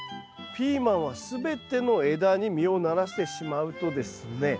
ピーマンは全ての枝に実をならせてしまうとですね